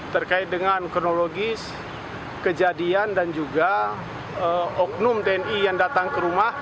terkait dengan kronologis kejadian dan juga oknum tni yang datang ke rumah